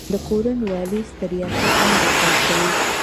د کورن والیس تر ریاست لاندي کار کوي.